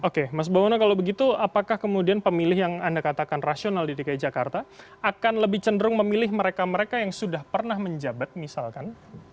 oke mas bawono kalau begitu apakah kemudian pemilih yang anda katakan rasional di dki jakarta akan lebih cenderung memilih mereka mereka yang sudah pernah menjabat misalkan